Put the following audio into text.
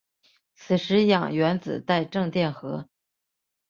此时氧原子带正电荷。